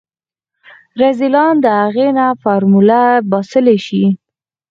رذيلان د اغې نه فارموله باسلی شي.